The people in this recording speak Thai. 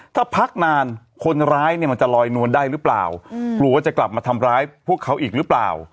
ถ้าพักนานคนร้ายเนี่ยมันจะลอยนวลได้หรือเปล่ากลัวว่าจะกลับมาทำร้ายพวกเขาอีกหรือเปล่า